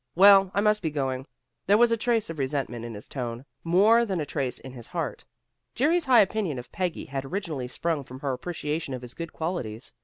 "Well, I must be going." There was a trace of resentment in his tone, more than a trace in his heart. Jerry's high opinion of Peggy had originally sprung from her appreciation of his good qualities.